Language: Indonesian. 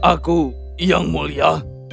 aku yang mulia